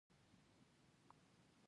ایا ستاسو بوی به خوشبويه وي؟